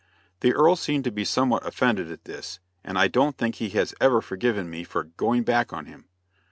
The Earl seemed to be somewhat offended at this, and I don't think he has ever forgiven me for "going back on him."